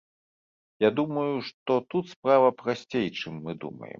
Я думаю, што тут справа прасцей чым мы думаем.